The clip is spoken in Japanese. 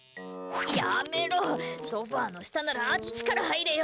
やめろ、ソファの下ならあっちから入れよ！